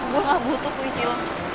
gue gak butuh puisi lo